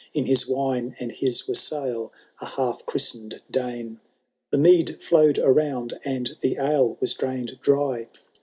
In his wine and his wassail, a half christen'd Dane. The mead flowed around, and the ale was drained dry.